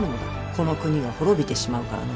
この国が滅びてしまうからの。